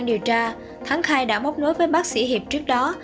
theo điều tra thắng khai đã bốc nối với bác sĩ hiệp trước đó